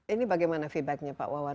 ini bagaimana feedbacknya pak wawan